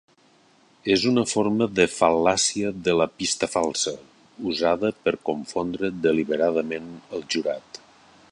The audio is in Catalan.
És una forma de fal·làcia de la pista falsa, usada per confondre deliberadament el jurat.